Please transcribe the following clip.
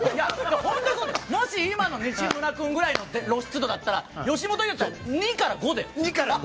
もし今の西村君ぐらいの露出度だったら吉本以外だと、２から５で。